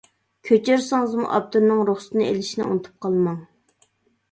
كۆچۈرسىڭىزمۇ ئاپتورنىڭ رۇخسىتىنى ئېلىشنى ئۇنتۇپ قالماڭ!